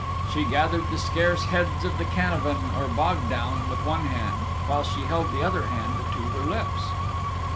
She gathered the scarce heads of the cannavan or bog down with one hand, while she held the other hand to her lips.